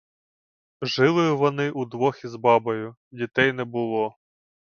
Жили вони удвох із бабою, дітей не було.